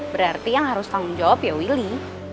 berarti yang harus tanggung jawab ya willy